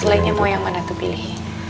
selainnya mau yang mana tuh pilih